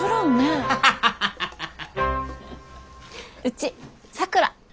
うちさくら。